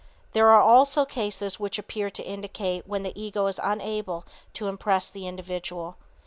There are also cases which appear to indicate when the ego is unable to impress the individual.